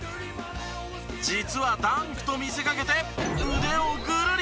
実はダンクと見せかけて腕をぐるり！